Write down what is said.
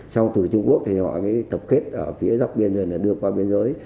sau từ trung quốc thì họ mới tập kết ở phía dọc biên giới đưa qua biên giới